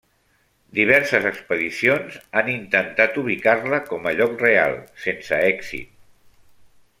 Diverses expedicions han intentat ubicar-la com a lloc real, sense èxit.